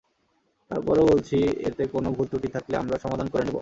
তার পরও বলছি, এতে কোনো ভুল-ত্রুটি থাকলে আমরা সমাধান করে নেব।